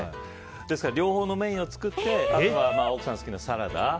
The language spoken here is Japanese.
ですから両方のメインを作ってあとは奥さんが好きなサラダ。